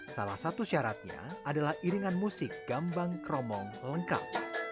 salah satu syaratnya adalah iringan musik gambang kromong lengkap